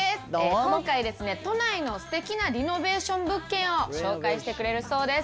今回ですね、都内のすてきなリノベーション物件を紹介してくれるそうです。